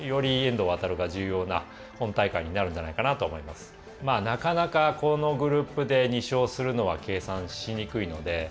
まあなかなかこのグループで２勝するのは計算しにくいので。